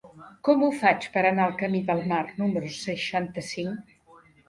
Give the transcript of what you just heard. Com ho faig per anar al camí del Mar número seixanta-cinc?